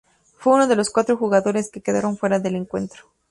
Fue uno de los cuatro jugadores que quedaron fuera del encuentro.